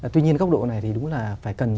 tuy nhiên góc độ này thì đúng là phải cần